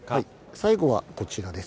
最後はこちらです。